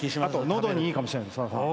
あとのどにいいかもしれない。